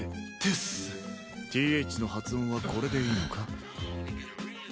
ＴＨの発音はこれでいいのか？